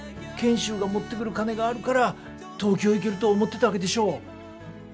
賢秀が持ってくる金があるから東京行けると思ってたわけでしょ。